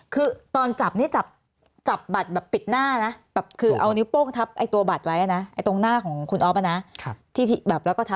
คือฉันไม่รู้คิดมาก